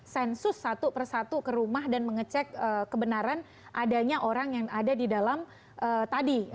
sensus satu persatu ke rumah dan mengecek kebenaran adanya orang yang ada di dalam tadi